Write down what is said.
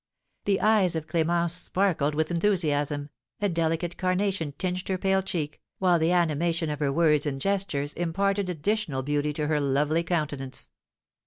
The eyes of Clémence sparkled with enthusiasm, a delicate carnation tinged her pale cheek, while the animation of her words and gestures imparted additional beauty to her lovely countenance.